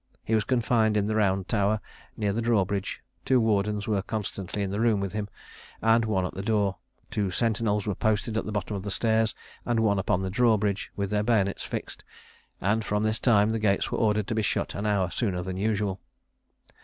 He was confined in the Round Tower, near the drawbridge: two wardens were constantly in the room with him, and one at the door; two sentinels were posted at the bottom of the stairs, and one upon the drawbridge, with their bayonets fixed; and from this time the gates were ordered to be shut an hour sooner than usual.